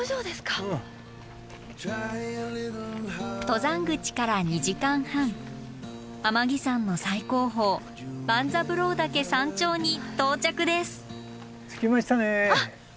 登山口から２時間半天城山の最高峰万三郎岳山頂に到着です。